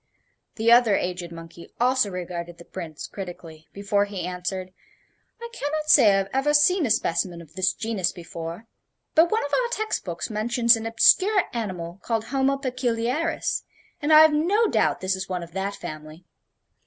The other aged monkey also regarded the Prince critically before he answered: "I can not say I have ever seen a specimen of this genus before. But one of our text books mentions an obscure animal called Homo Peculiaris, and I have no doubt this is one of that family.